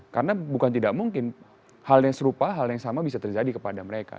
karena bukan tidak mungkin hal yang serupa hal yang sama bisa terjadi kepada mereka